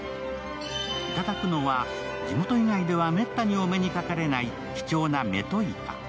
頂くのは地元以外ではめったにお目にかかれない貴重なメトイカ。